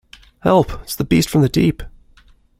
Help! It's the beast from the deep.